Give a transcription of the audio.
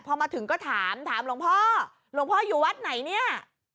พอมาถึงก็ถามถามหลวงพ่อหลวงพ่ออยู่วัดไหนเนี่ย